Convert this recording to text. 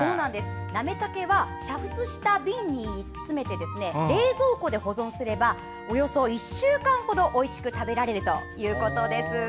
なめたけは煮沸した瓶に詰めて冷蔵庫で保存すればおよそ１週間程おいしく食べられるということです。